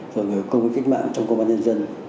rồi người có công kết mạng trong công an nhân dân